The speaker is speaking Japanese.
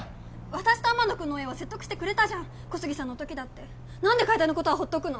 私と天野君の親は説得してくれたじゃん小杉さんの時だって何で楓のことはほっとくの？